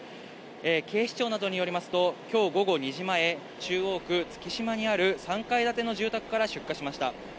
警視庁などによりますと、きょう午後２時前、中央区月島にある３階建ての住宅から出火しました。